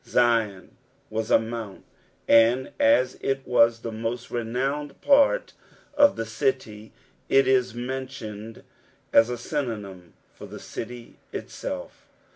Zion was a mount, and as it was the most renowned part of the city, it is mentjooed ■s a synonym for the city itself.